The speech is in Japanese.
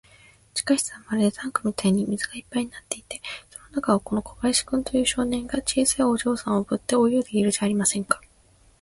地下室はまるでタンクみたいに水がいっぱいになっていて、その中を、この小林君という少年が、小さいお嬢さんをおぶって泳いでいるじゃありませんか。